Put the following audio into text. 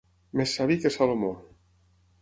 Més savi que Salomó.